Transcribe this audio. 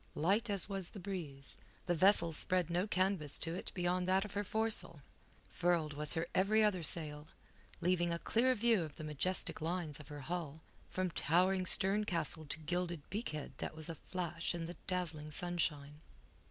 Light as was the breeze, the vessel spread no canvas to it beyond that of her foresail. Furled was her every other sail, leaving a clear view of the majestic lines of her hull, from towering stern castle to gilded beakhead that was aflash in the dazzling sunshine.